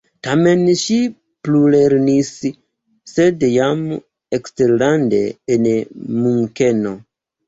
Tamen ŝi plulernis, sed jam eksterlande en Munkeno.